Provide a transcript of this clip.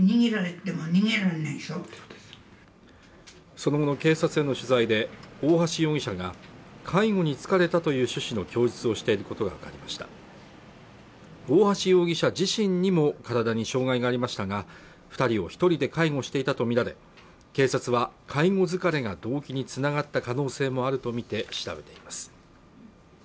その後の警察への取材で大橋容疑者が介護に疲れたという趣旨の供述をしていることが分かりました大橋容疑者自身にも体に障害がありましたが二人を一人で介護していたと見られ警察は介護疲れが動機につながった可能性もあるとみて調べています